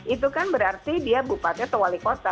itu kan berarti dia bupati atau wali kota